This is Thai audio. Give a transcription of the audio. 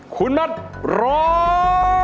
คุณบัตรร้อง